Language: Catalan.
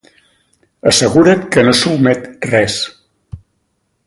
Assegura't que no s'omet res.